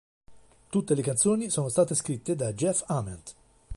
Tutte le canzoni sono state scritte da Jeff Ament.